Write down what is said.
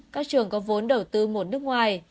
các trường có vốn đầu tư một nước ngoài